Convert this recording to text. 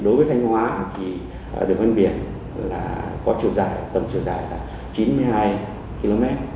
đối với thanh hóa thì đường ven biển có chiều dài tầm chín mươi hai km